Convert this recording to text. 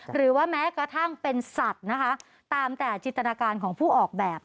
หรือว่าแม้กระทั่งเป็นสัตว์นะคะตามแต่จิตนาการของผู้ออกแบบ